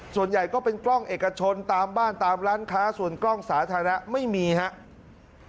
ส่วนใหญ่ก็เป็นกล้องเอกชนตามบ้านตามร้านค้าส่วนกล้องสาธารณะไม่มีครับ